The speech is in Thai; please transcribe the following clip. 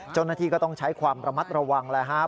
เจ้าหน้าที่ก็ต้องใช้ความระมัดระวังแล้วครับ